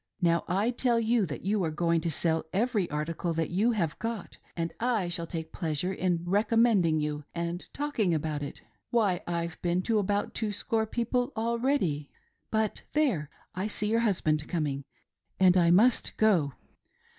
Now, I tell you that you are going to sell every article that you have got, and I shall take pleasure in recommending you and talking about it. Why, I've been to about two score .people already ;— but, there ! I see your hus band coming, and I must go